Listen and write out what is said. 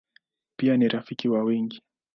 Pia ni rafiki wa wengi.